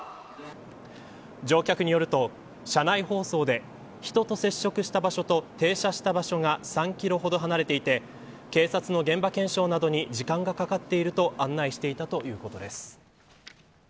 乗客によると車内放送で人と接触した場所と停車した場所が３キロほど離れていて警察の現場検証などに時間がかかっていると案内していたということです。